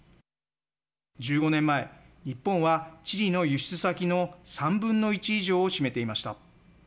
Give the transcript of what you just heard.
１５年前、日本はチリの輸出先の３分の１以上を占めていました。